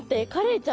ちゃん